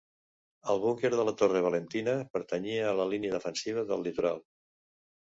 El búnquer de la torre Valentina pertanyia a la línia defensiva del litoral.